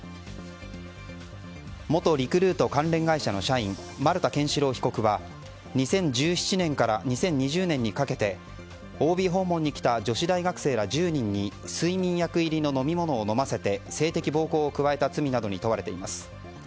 元リクルート関連会社の社員丸田憲司朗被告は２０１７年から２０２０年にかけてＯＢ訪問に来た女子大学生１０人に睡眠薬入りの飲み物を飲ませて性的暴行を加えた罪などに問われています。